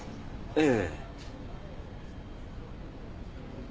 ええ。